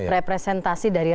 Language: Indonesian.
representasi dari rakyat